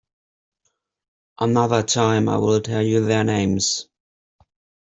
Another time, I'll tell you their names.